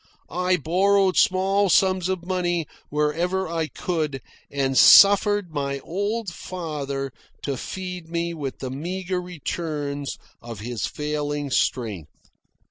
I borrowed small sums of money wherever I could, and suffered my old father to feed me with the meagre returns of his failing strength.